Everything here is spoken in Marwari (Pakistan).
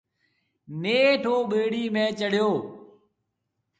نيٺ او ٻيڙِي ۾ چڙھيَََو۔